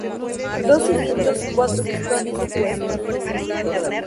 Dos cilindros, cuatro pistones opuestos.